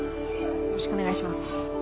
よろしくお願いします。